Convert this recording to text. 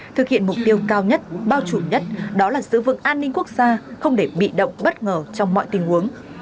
thực hiện mục tiêu cao nhất bao trùm nhất đó là giữ vững an ninh quốc gia không để bị động bất ngờ trong mọi tình huống